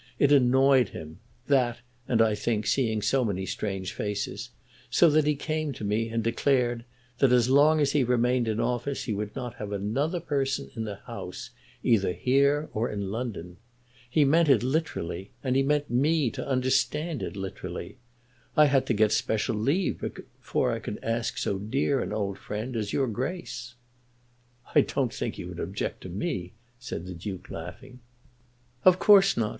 It annoyed him, that, and, I think, seeing so many strange faces, so that he came to me and declared, that as long as he remained in office he would not have another person in the house, either here or in London. He meant it literally, and he meant me to understand it literally. I had to get special leave before I could ask so dear an old friend as your Grace." "I don't think he would object to me," said the Duke, laughing. "Of course not.